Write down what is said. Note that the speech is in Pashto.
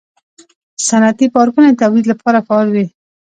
صنعتي پارکونه د تولید لپاره فعال وي.